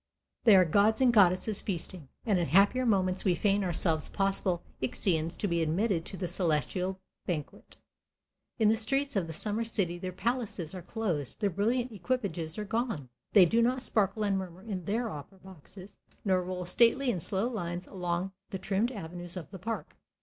They are gods and goddesses feasting, and in happier moments we feign ourselves possible Ixions to be admitted to the celestial banquet. In the streets of the summer city their palaces are closed, their brilliant equipages are gone; they do not sparkle and murmur in their opera boxes, nor roll stately in slow lines along the trimmed avenues of the Park.